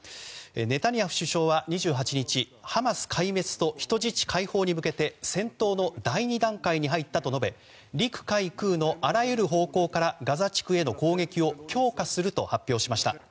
ネタニヤフ首相は２８日ハマス壊滅と人質解放に向けて戦闘の第２段階に入ったと述べ陸海空のあらゆる方向からガザ地区への攻撃を強化すると発表しました。